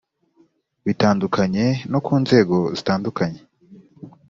bitandukanye no ku nzego zitandukanye